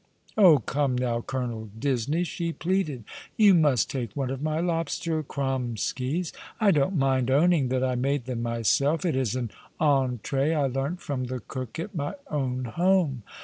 " Oh, come now. Colonel Disney," she pleaded, " you must take one of my lobster cromskys. I don't mind owning that I made them myself. It is an entree I learnt from the cook at my own home.